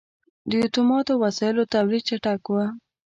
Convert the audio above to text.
• د اتوماتو وسایلو تولید چټک و.